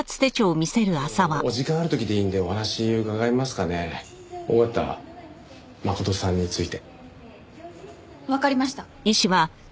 ちょっとお時間ある時でいいんでお話伺えますかね緒方真琴さんについて。わかりました。